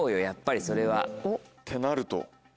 やっぱりそれは。ってなると？